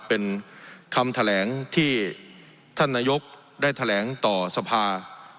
เป็นคำแถลงที่ท่านนายกได้แถลงต่อสภา